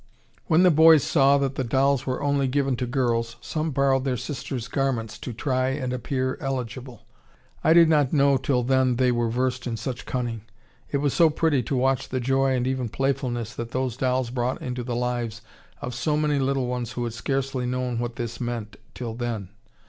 When the boys saw that the dolls were only given to girls, some borrowed their sisters' garments to try and appear eligible! I did not know till then they were versed in such cunning! It was so pretty to watch the joy and even playfulness that those dolls brought into the lives of so many little ones who had scarcely known what this meant till then.